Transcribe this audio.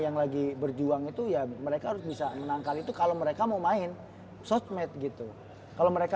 yang lagi berjuang itu ya mereka harus bisa menangkal itu kalau mereka mau main sosmed gitu kalau mereka